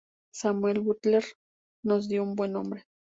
Samuel Butler nos dio un buen nombre.